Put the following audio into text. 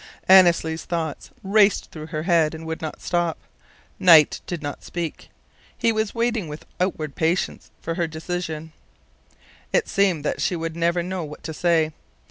Annesley's thoughts raced through her head and would not stop. Knight did not speak. He was waiting with outward patience for her decision. It seemed that she would never know what to say.